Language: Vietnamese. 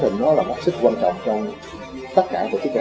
dựng nó làm các chức quan trọng trong tất cả có gì rồi à